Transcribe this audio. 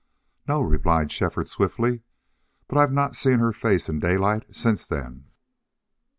"No," replied Shefford, swiftly. "But I've not seen her face in daylight since then."